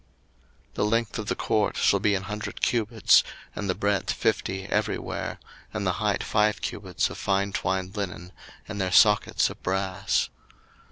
02:027:018 The length of the court shall be an hundred cubits, and the breadth fifty every where, and the height five cubits of fine twined linen, and their sockets of brass.